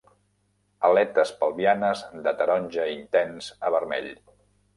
Aletes pelvianes de taronja intens a vermell.